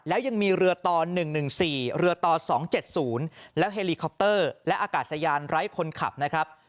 แล้วยังมีเรือต่อ๑๑๔เรือต่อ๒๗๐แล้วเฮลิคอปเตอร์และอากาศยานไร้คนขับนะครับ